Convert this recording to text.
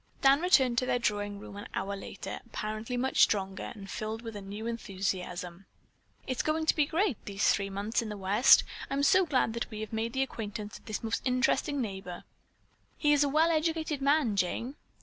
Dan returned to their drawing room an hour later, apparently much stronger, and filled with a new enthusiasm. "It's going to be great, these three months in the West. I'm so glad that we have made the acquaintance of this most interesting neighbor. He is a well educated man, Jane."